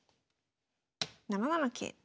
７七桂。